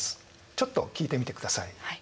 ちょっと聴いてみてください。